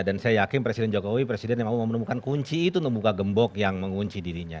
dan saya yakin presiden jokowi presiden yang mau menemukan kunci itu untuk membuka gembok yang mengunci dirinya